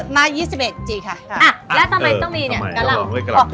นายยี่สิบเอียดจีบค่ะอะเฮยะต้องมีเนี่ยกลัว